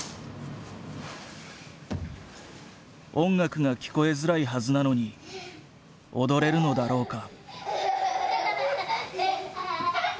音楽が聞こえづらいはずなのに踊れるのだろうか？